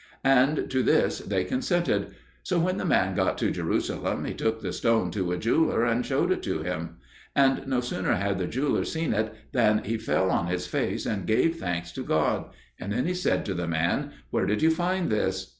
And to this they consented. So when the man got to Jerusalem, he took the stone to a jeweller and showed it to him; and no sooner had the jeweller seen it than he fell on his face and gave thanks to God. And then he said to the man, "Where did you find this?